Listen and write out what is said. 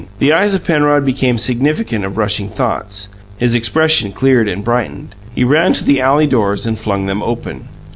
The eyes of Penrod became significant of rushing thoughts; his expression cleared and brightened. He ran to the alley doors and flung them open.